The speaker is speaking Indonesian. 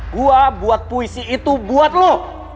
gue buat puisi itu buat lo